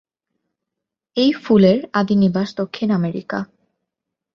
এই ফুলের আদি নিবাস দক্ষিণ আমেরিকা।